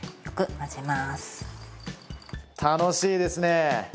楽しいですね。